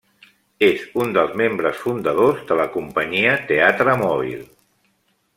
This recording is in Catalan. És un dels membres fundadors de la companyia Teatre Mòbil.